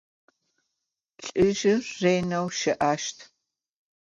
Lh'ızjır rêneu şı'eşt.